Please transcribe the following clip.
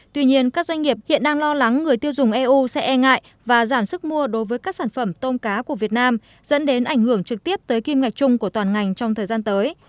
tuy nhiên các doanh nghiệp hiện đang lo lắng người tiêu dùng eu sẽ e ngại và giảm sức mua đối với các sản phẩm tôm cá của việt nam dẫn đến ảnh hưởng trực tiếp tới kim ngạch chung của toàn ngành trong thời gian tới